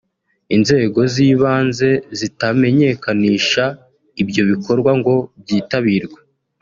inzego z’ibanze zitamenyekanisha ibyo bikorwa ngo byitabirwe